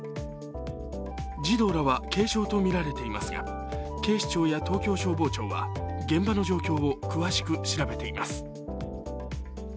児童らは軽傷とみられていますが警視庁や東京消防庁は現場の状況を詳しく調べています。